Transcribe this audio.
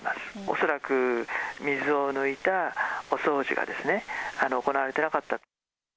恐らく水を抜いたお掃除が行われてなかった。